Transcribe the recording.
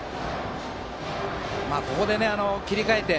ここで切り替えて。